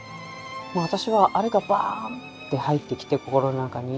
私はあれがバンって入ってきて心の中に。